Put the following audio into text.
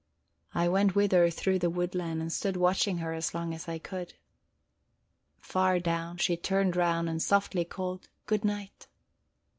I went with her through the woodland and stood watching her as long as I could; far down, she turned round and softly called good night.